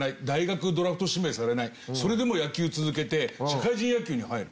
それでも野球続けて社会人野球に入る。